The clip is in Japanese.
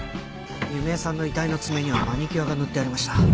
弓江さんの遺体の爪にはマニキュアが塗ってありました。